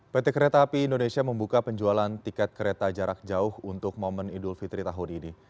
pt kereta api indonesia membuka penjualan tiket kereta jarak jauh untuk momen idul fitri tahun ini